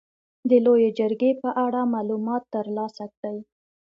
د لويې جرګې په اړه معلومات تر لاسه کړئ.